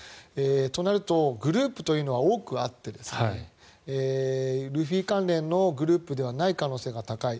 となると、グループというのは多くあってルフィ関連のグループではない可能性が高い。